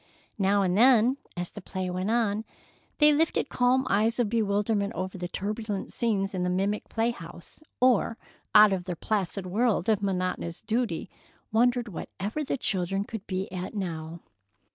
Now and then, as the play went on, they lifted calm eyes of bewilderment over the turbulent scenes in the mimic play house, or out of their placid world of monotonous duty, wondered whatever the children could be at now.